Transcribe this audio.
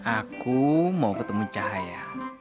aku mau ketemu cahaya